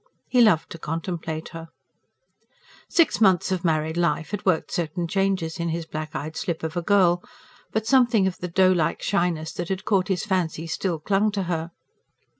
He loved to contemplate her. Six months of married life had worked certain changes in his black eyed slip of a girl; but something of the doe like shyness that had caught his fancy still clung to her.